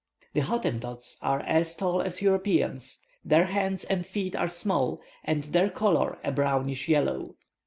The Hottentots are as tall as Europeans, their hands and feet are small, and their colour a brownish yellow.